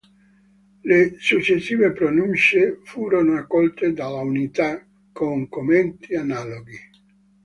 Le successive pronunce furono accolte dall"'Unità" con commenti analoghi.